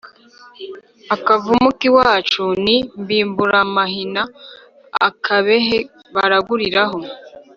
Akavumu k'iwacu ni Mbimburamahina-Akabehe baraguriraho.